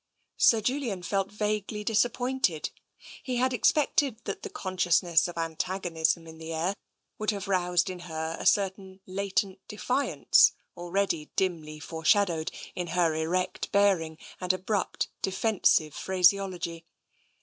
Sir Julian felt vaguely disappointed. He had ex pected that the consciousness of antagonism in the air would have roused in her a certain latent defiance al ready dimly foreshadowed in her erect bearing and abrupt, defensive phraseology.